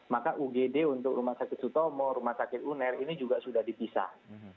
maka ugd untuk rumah sakit sutomo rumah sakit uner ini juga sudah dipisah